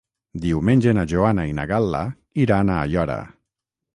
Diumenge na Joana i na Gal·la iran a Aiora.